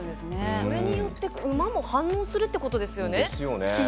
それによって馬も反応するってことですね。